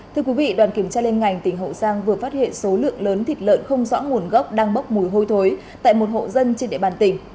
thưa quý vị đoàn kiểm tra liên ngành tỉnh hậu giang vừa phát hiện số lượng lớn thịt lợn không rõ nguồn gốc đang bốc mùi hôi thối tại một hộ dân trên địa bàn tỉnh